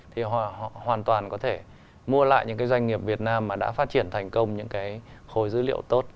thì họ hoàn toàn có thể mua lại những cái doanh nghiệp việt nam mà đã phát triển thành công những cái khối dữ liệu tốt